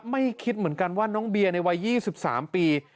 คิดเหมือนกันว่าน้องเบียร์ในวัย๒๓ปี